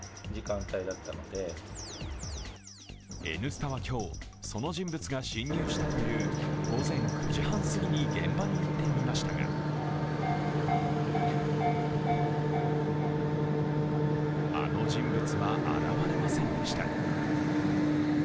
「Ｎスタ」は今日、その人物が侵入したという午前９時半すぎに現場に行ってみましたがあの人物は現れませんでした。